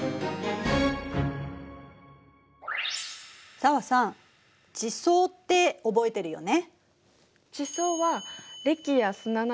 紗和さん「地層」って覚えてるよね。